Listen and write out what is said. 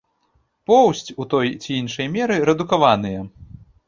Поўсць ў той ці іншай меры рэдукаваныя.